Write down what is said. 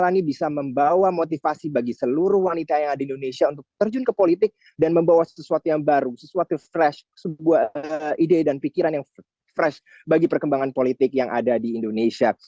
dan ini juga membawa motivasi bagi seluruh wanita yang ada di indonesia untuk terjun ke politik dan membawa sesuatu yang baru sesuatu yang fresh sebuah ide dan pikiran yang fresh bagi perkembangan politik yang ada di indonesia